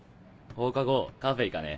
放課後カフェ行かね？